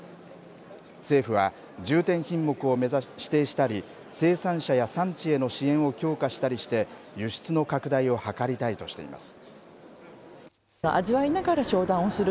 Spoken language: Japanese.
政府は、重点品目を指定したり、生産者や産地への支援を強化したりして、輸出の拡大を図りたいとしています。